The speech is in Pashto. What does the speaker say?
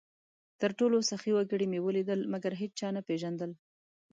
تر ټولو سخي وګړي مې ولیدل؛ مګر هېچا نه پېژندل،